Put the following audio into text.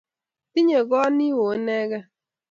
Tinyei koot ni oo inegei